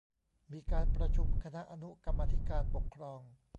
มีการประชุมคณะอนุกรรมาธิการปกครอง